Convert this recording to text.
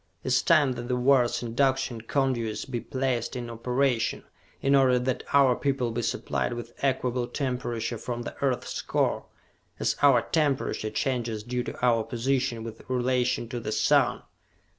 It is time that the world's Induction Conduits be placed in operation, in order that our people be supplied with equable temperature from the Earth's Core, as our temperature changes due to our position with relation to the sun!